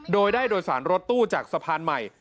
โดยได้โดยสารรถตู้จากสะพานใหม่